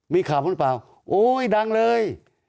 มีข่าวหรือเปล่าโอ๊ยดังเลย